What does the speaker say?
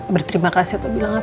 berterima kasih atau bilang apa